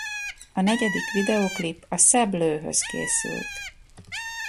A negyedik videóklip a C’est Bleu-höz készült.